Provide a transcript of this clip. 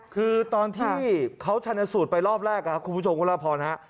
คือตอนที่เขาชนสูตรไปรอบแรกครับคุณผู้ชมคุณละพรฮะ